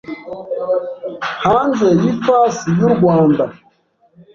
hanze y ifasi y u Rwanda